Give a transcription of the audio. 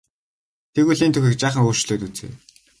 Тэгвэл энэ түүхийг жаахан өөрчлөөд үзье.